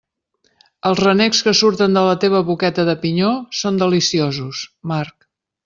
Els renecs que surten de la teva boqueta de pinyó són deliciosos, Marc.